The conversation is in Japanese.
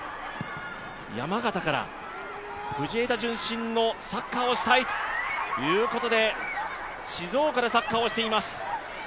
山形から藤枝順心のサッカーをしたいということで静岡でサッカーをしています。